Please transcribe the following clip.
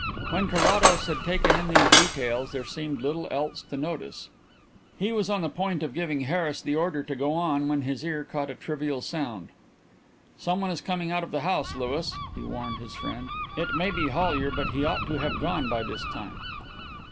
When Carrados had taken in these details there seemed little else to notice. He was on the point of giving Harris the order to go on when his ear caught a trivial sound. "Someone is coming out of the house, Louis," he warned his friend. "It may be Hollyer, but he ought to have gone by this time."